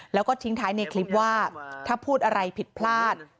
แล้วก็ทิ้งท้ายในคลิปว่าถ้าพูดอะไรผิดพลาด